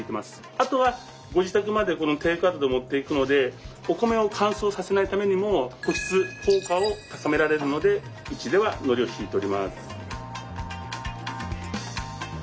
あとはご自宅までテイクアウトで持っていくのでお米を乾燥させないためにも保湿効果を高められるのでうちではのりをひいております。